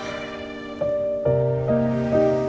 dan untuk berlangganan